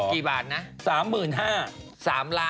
กี่บาทนะ